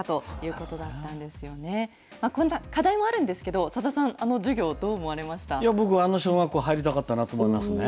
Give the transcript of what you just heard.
こんな課題もあるんですけど、さださん、あの授業どう思われまし僕、あの小学校に入りたかったなと思いますね。